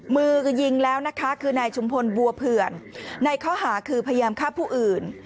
มือก็ยิงแล้วนะคะคือนายชุมพลบัวเผื่อนในข้อหาคือพยายามฆ่าผู้อื่น